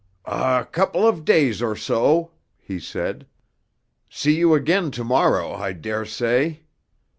"A couple of days or so," he said. "See you again to morrow, I daresay."